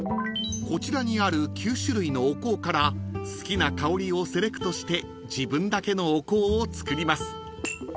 ［こちらにある９種類のお香から好きな香りをセレクトして自分だけのお香を作ります］